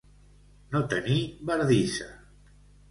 No tenir bardissa.